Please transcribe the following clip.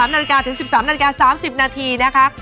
นาฬิกาถึง๑๓นาฬิกา๓๐นาทีนะคะ